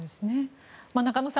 中野さん